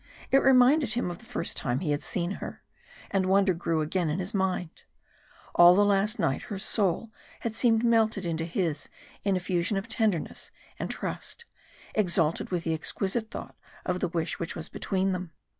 It reminded him of the first time he had seen her, and wonder grew again in his mind. All the last night her soul had seemed melted into his in a fusion of tenderness and trust, exalted with the exquisite thought of the wish which was between them.